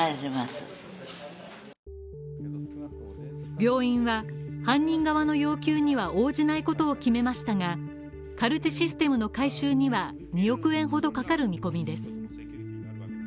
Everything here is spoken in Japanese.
病院は犯人側の要求には応じないことを決めましたが、カルテシステムの改修には２億円ほどかかる見込みです。